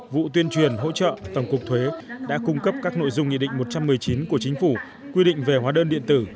vụ tuyên truyền hỗ trợ tổng cục thuế đã cung cấp các nội dung nghị định một trăm một mươi chín của chính phủ quy định về hóa đơn điện tử